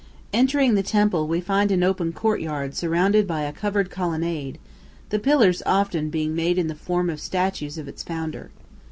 Entering the temple we find an open courtyard surrounded by a covered colonnade, the pillars often being made in the form of statues of its founder.